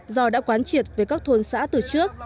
do đã quán triệt về các thôn xã từ trước